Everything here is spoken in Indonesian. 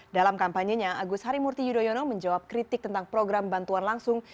dalam kampanyenya agus harimurti yudhoyono menjawab kritik tentang program bantuan langsung